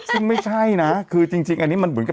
ซึ่งไม่ใช่นะคือจริงอันนี้มันเหมือนกับ